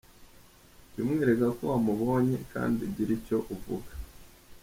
Jya umwereka ko wamubonye kandi ugire icyo uvuga.